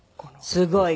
すごい。